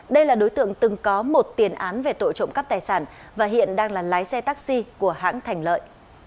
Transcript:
đây là đối tượng từng có một tiền án về tội trộm cắp tài sản và hiện đang là lái xe taxi của hãng thành lợi